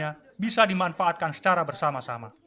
yang bisa dimanfaatkan secara bersama sama